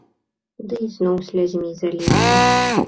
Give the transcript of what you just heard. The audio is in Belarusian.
Ды ізноў слязьмі заліўся.